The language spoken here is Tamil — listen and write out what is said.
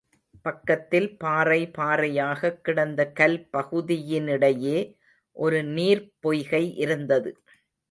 பக்கத்தில் பாறை பாறையாகக் கிடந்த கல் பகுதியினிடையே ஒரு நீர்ப்பொய்கை இருந்தது.